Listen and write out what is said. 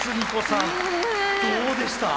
さんどうでした？